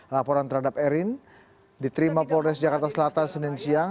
laporan terhadap erin diterima polres jakarta selatan senin siang